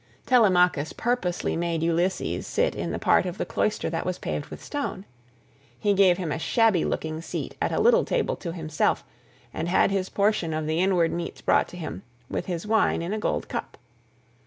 Telemachus purposely made Ulysses sit in the part of the cloister that was paved with stone;158 he gave him a shabby looking seat at a little table to himself, and had his portion of the inward meats brought to him, with his wine in a gold cup.